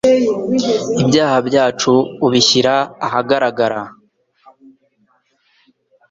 Ibyaha byacu ubishyira ahagaragara